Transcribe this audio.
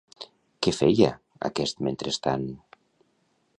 Què feia aquest mentrestant?